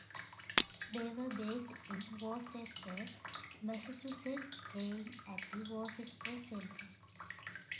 They were based in Worcester, Massachusetts, playing at the Worcester Centrum.